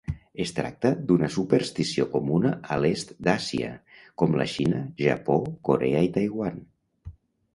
Es tracta d'una superstició comuna a l'est d'Àsia com la Xina, Japó, Corea i Taiwan.